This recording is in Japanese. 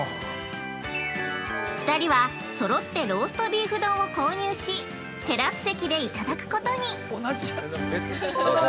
◆２人は、揃ってローストビーフ丼を購入し、テラス席でいただくことに。